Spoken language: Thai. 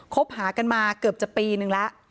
คบหากันมาเกือบจะปีนึงแล้ว